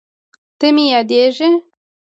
ته مې یادېږې